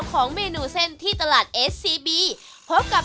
วันนี้ขอบคุณพี่อมนต์มากเลยนะครับ